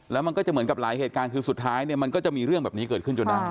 แล้วมันก็จะเหมือนกับหลายเหตุการณ์คือสุดท้ายเนี่ยมันก็จะมีเรื่องแบบนี้เกิดขึ้นจนได้